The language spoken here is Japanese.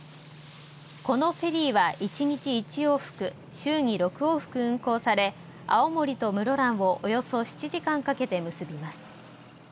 このフェリーは１日１往復週に６往復運航され青森と室蘭をおよそ７時間かけて結びます。